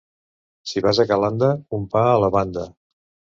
Si vas a Calanda, un pa a la banda.